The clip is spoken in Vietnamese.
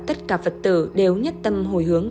tất cả phật tử đều nhất tâm hồi hướng